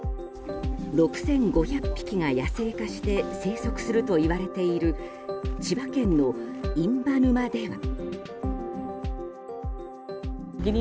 ６５００匹が野生化して生息するといわれている千葉県の印旛沼では。